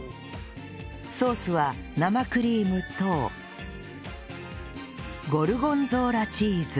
ソースは生クリームとゴルゴンゾーラチーズ